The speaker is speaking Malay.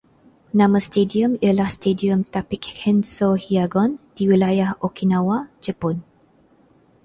Nama stadium ialah Stadium Tapic Kenso Hiyagon, di Wilayah Okinawa, Jepun